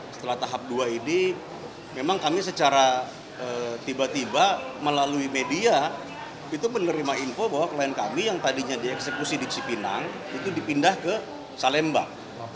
setelah tahap dua ini memang kami secara tiba tiba melalui media itu menerima info bahwa klien kami yang tadinya dieksekusi di cipinang itu dipindah ke salembang